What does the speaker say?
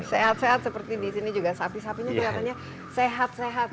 sehat sehat seperti di sini juga sapi sapinya kelihatannya sehat sehat